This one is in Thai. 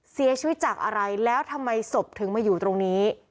เสียชีวิตจากอะไรแล้วทำไมศพถึงมาอยู่ตรงนี้